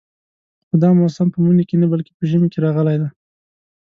خو دا موسم په مني کې نه بلکې په ژمي کې راغلی دی.